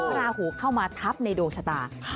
ราหูเข้ามาทับในดวงชะตา